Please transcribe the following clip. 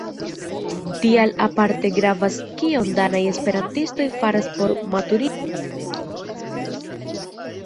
Tial aparte gravas kion danaj esperantistoj faras por maturigi la tempon por Esperanto.